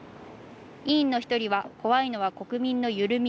委員の１人は、怖いのは国民の緩み。